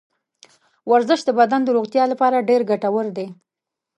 ورزش د بدن د روغتیا لپاره ډېر ګټور دی.